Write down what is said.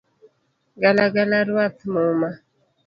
Galagala ruadh muma